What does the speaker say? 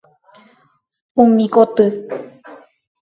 Umi koty.